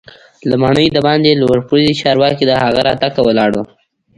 له ماڼۍ دباندې لوړ پوړي چارواکي د هغه راتګ ته ولاړ وو.